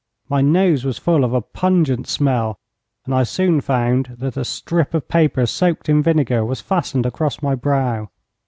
My nose was full of a pungent smell, and I soon found that a strip of paper soaked in vinegar was fastened across my brow.